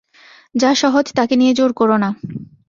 যা সহজ তাকে নিয়ে জোর কোরো না।